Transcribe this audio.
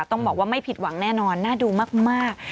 ต้องบอกว่าไม่ผิดหวังแน่นอนน่าดูมาก